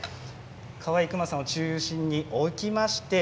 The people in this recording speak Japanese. かわいい熊さんを中心に置きました。